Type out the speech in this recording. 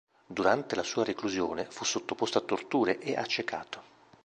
Durante la sua reclusione fu sottoposto a torture e accecato.